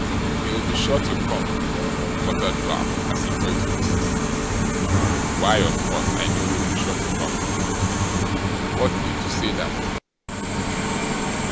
'He'll be sure to come,' muttered Ralph, as he tore it to pieces; 'why of course, I know he'll be sure to come. What need to say that?